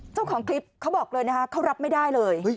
เจ้าของคลิปเขาบอกเลยนะคะเขารับไม่ได้เลย